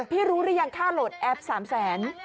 พี่รู้หรือยังค่าโหลดแอป๓๐๐๐๐๐บาท